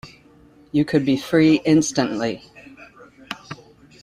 You could be free instantly.